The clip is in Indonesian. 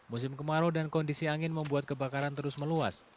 musim kemarau dan kondisi angin membuat kebakaran terus meluas